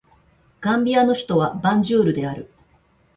ガンビアの首都はバンジュールである